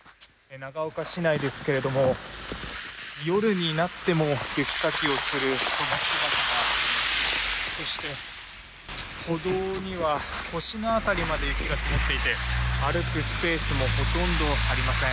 長岡市内ですけれども夜になっても雪かきをする人の姿がそして歩道には腰の辺りまで雪が積もっていて歩くスペースもほとんどありません。